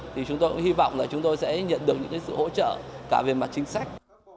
thì chúng tôi cũng hy vọng là chúng tôi sẽ nhận được những sự hỗ trợ cả về mặt chính sách